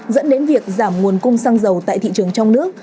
dẫn đến việc giảm nguồn cung xăng dầu tại thị trường trong nước